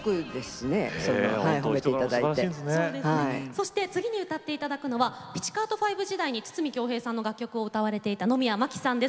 そして次に歌って頂くのはピチカート・ファイヴ時代に筒美京平さんの楽曲を歌われていた野宮真貴さんです。